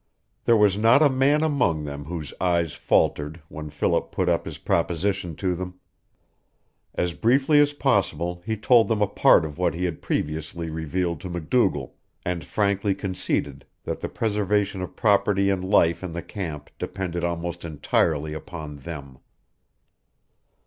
There was not a man among them whose eyes faltered when Philip put up his proposition to them. As briefly as possible he told them a part of what he had previously revealed to MacDougall, and frankly conceded that the preservation of property and life in the camp depended almost entirely upon them.